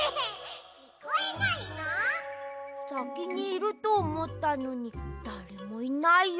さきにいるとおもったのにだれもいないや。